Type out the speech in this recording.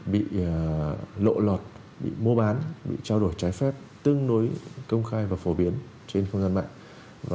bị lộ lọt bị mua bán bị trao đổi trái phép tương đối công khai và phổ biến trên không gian mạng